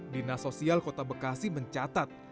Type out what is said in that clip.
dinas sosial kota bekasi mencatat